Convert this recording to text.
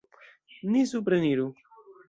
Ni supreniru!